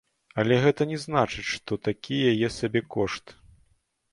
Але гэта не значыць, што такі яе сабекошт.